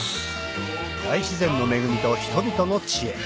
大自然の恵みと人々の知恵